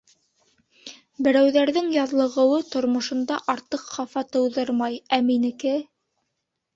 Берәүҙәрҙең яҙлығыуы тормошонда артыҡ хафа тыуҙырмай, ә минеке...